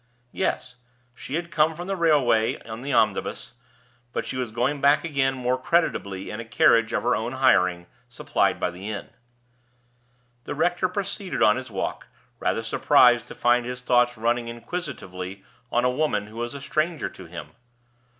Yes; she had come from the railway in the omnibus, but she was going back again more creditably in a carriage of her own hiring, supplied by the inn. The rector proceeded on his walk, rather surprised to find his thoughts running inquisitively on a woman who was a stranger to him.